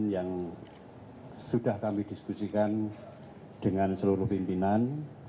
yang sudah kami diskusikan dengan seluruh pimpinan